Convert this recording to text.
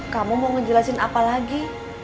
kamu mau ngejelasin apa lagi